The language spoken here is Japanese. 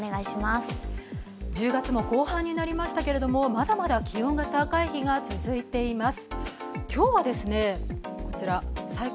１０月も後半になりましたけれどまだまだ気温が高い日が続いています。